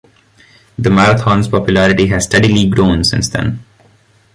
The Marathon's popularity has steadily grown since then.